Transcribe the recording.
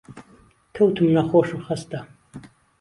کەوتم نەخۆش و خەستە